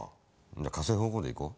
じゃあ火星の歩行で行こう。